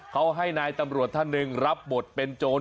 เขาให้นายตำรวจท่านหนึ่งรับบทเป็นโจร